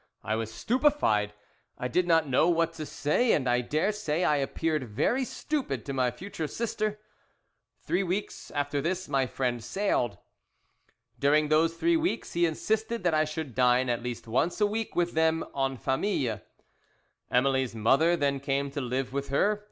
I was stupefied! I did not know what to say, and I daresay I appeared very stupid to my future sister. "Three weeks after this my friend sailed. "During those three weeks he insisted that I should dine at least once a week with them en famille. "Emily's mother then came to live with her.